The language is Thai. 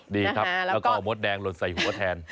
ดีครับแล้วก็เอามดแดงหล่นใส่หัวแทน